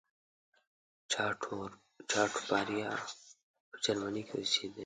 چاټوپاړیا په جرمني کې اوسېدی.